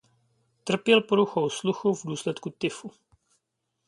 Trpěl poruchou sluchu v důsledku tyfu.